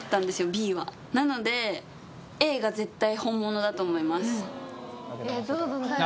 ＢはなのでＡが絶対本物だと思いますどうなんだろう？